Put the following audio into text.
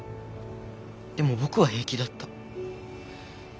でも僕は平気だった。